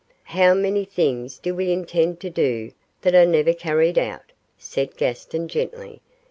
'How many things do we intend to do that are never carried out?' said Gaston, gently.